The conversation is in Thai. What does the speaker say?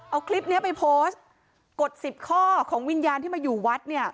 เอาคลิปนี้ไปโพสต์กด๑๐ข้อของวิญญาณที่มาอยู่วัดเนี่ย